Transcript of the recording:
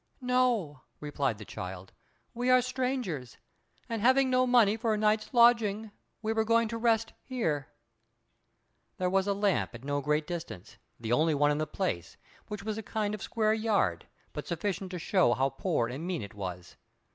"No," replied the child; "we are strangers, and having no money for a night's lodging, we were going to rest here." There was a lamp at no great distance—the only one in the place, which was a kind of square yard, but sufficient to show how poor and mean it was.